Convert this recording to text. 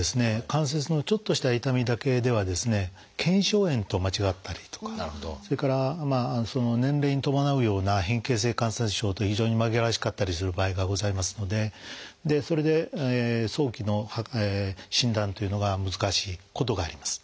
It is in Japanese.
関節のちょっとした痛みだけでは腱鞘炎と間違ったりとかそれから年齢に伴うような変形性関節症と非常に紛らわしかったりする場合がございますのでそれで早期の診断というのが難しいことがあります。